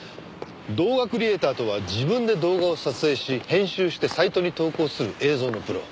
動画クリエイターとは自分で動画を撮影し編集してサイトに投稿する映像のプロ。